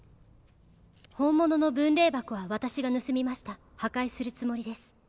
「本物の分霊箱は私が盗みました破壊するつもりです」